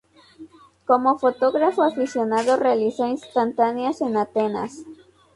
Como fotógrafo aficionado realizó instantáneas en Atenas.